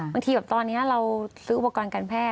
บางทีตอนนี้ว่าเราซื้ออุปกรณ์กันแพร่